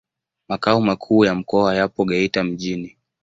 Makao makuu ya mkoa yapo Geita mjini.